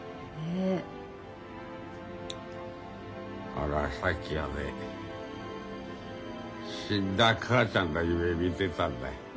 俺はさっきまで死んだ母ちゃんの夢見てたんだ。